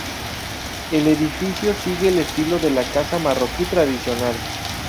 El edificio sigue el estilo de la casa marroquí tradicional.